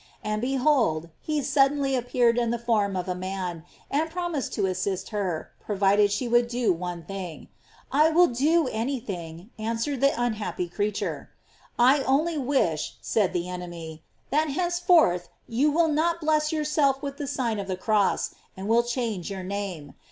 And behold, he suddenly appeared in the form of a man, and promised to assist her, provided she would do one thing. I will do any thing, answered the unhappy creature. I only wish, said the enemy, that henceforth you will not bless yourself with the sign of the cross, and will change your name.